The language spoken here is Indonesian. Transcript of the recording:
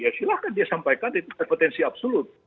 ya silahkan dia sampaikan itu ada potensi absolut